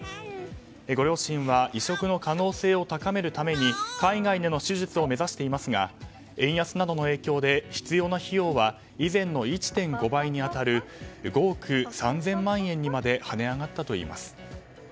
ご両親は移植の可能性を高めるために海外での手術を目指していますが円安などの影響で必要な費用は以前の１．５倍に当たる５億３０００万円にまで跳ね上がったといいます。